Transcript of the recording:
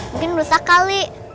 mungkin rusak kali